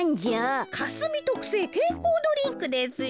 かすみとくせいけんこうドリンクですよ。